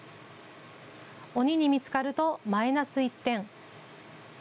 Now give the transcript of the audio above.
鬼に見つかるとマイナス１点。